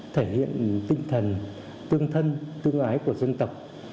thể hiện tinh thần tương thân tương ái của dân tộc